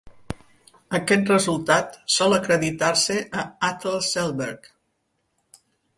Aquest resultat sol acreditar-se a Atle Selberg.